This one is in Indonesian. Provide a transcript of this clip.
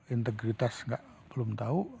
integritas belum tahu